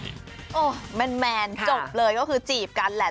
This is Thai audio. โอ้โหแมนจบเลยก็คือจีบกันแหละ